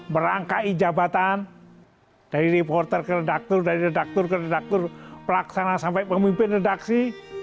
merangkai jabatan dari reporter ke redaktor dari redaktor ke redaktur pelaksana sampai pemimpin redaksi